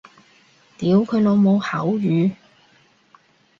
屌佢老母口語